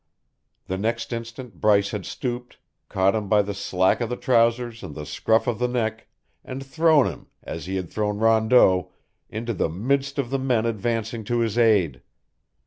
The next instant Bryce had stooped, caught him by the slack of the trousers and the scruff of the neck and thrown him, as he had thrown Rondeau, into the midst of the men advancing to his aid.